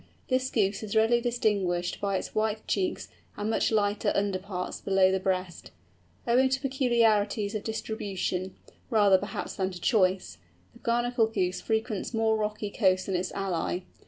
This Goose is readily distinguished by its white cheeks, and much lighter underparts below the breast. Owing to peculiarities of distribution, rather perhaps than to choice, the Bernacle Goose frequents more rocky coasts than its ally.